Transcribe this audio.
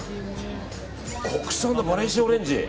国産のバレンシアオレンジ。